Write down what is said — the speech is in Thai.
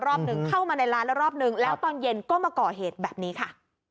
รอบหนึ่งเข้ามาในร้านแล้วรอบนึงแล้วตอนเย็นก็มาก่อเหตุแบบนี้ค่ะ